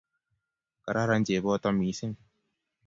Kararan cheboto missing.